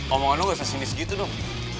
omongan lu ga sesinis gitu dong